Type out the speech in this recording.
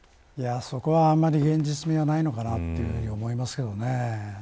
そこは現実味がないのかなと思いますけどね。